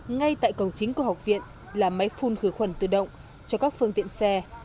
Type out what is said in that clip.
ngay tại cổng chính của học viện là máy phun khử khuẩn tự động cho các phương tiện xe